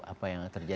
apa yang terjadi